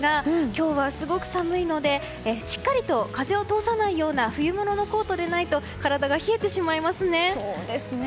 今日はすごく寒いのでしっかりと風を通さないような冬物のコートでないと体が冷えてしまいますね。